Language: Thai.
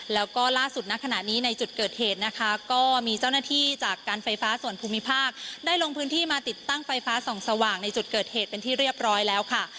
แล้วก็ล่าสุดณขณะนี้ในจุดเกิดเหตุนะคะก็มีเจ้าหน้าที่จากการไฟฟ้าส่วนภูมิภาคได้ลงพื้นที่มาติดตั้งไฟฟ้าส่องสว่างในจุดเกิดเหตุเป็นที่เรียบร้อยแล้วค่ะ